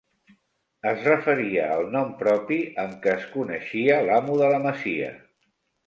Es referia al nom propi amb què es coneixia l'amo de la masia.